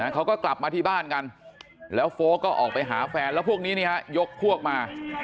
เขาก็กลับมาที่บ้านกันแล้วโฟลกก็ออกไปหาแฟนแล้วพวกนี้ยกพวกมา